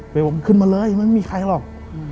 บอกขึ้นมาเลยไม่มีใครหรอก